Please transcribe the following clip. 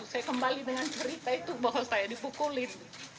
saya kembali dengan cerita itu bahwa saya dipukulin